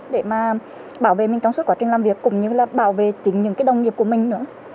để mà bảo vệ mình trong suốt quá trình làm việc cũng như là bảo vệ chính những cái đồng nghiệp của mình nữa